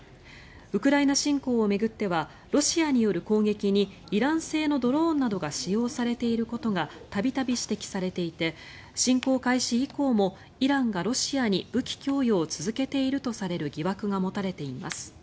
ウクライナ侵攻を巡ってはロシアによる攻撃にイラン製のドローンなどが使用されていることが度々、指摘されていて侵攻開始以降もイランがロシアに武器供与を続けているとされる疑惑が持たれています。